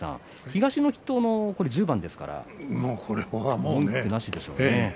東の筆頭の１０番ですから文句なしでしょうね。